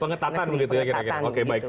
pengetatan begitu ya